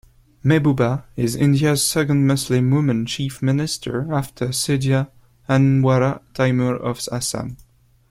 Mehbooba is India's second Muslim woman chief minister after Syeda Anwara Taimur of Assam.